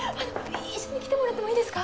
一緒に来てもらってもいいですか？